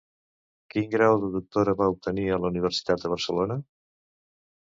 Quin grau de doctora va obtenir a la Universitat de Barcelona?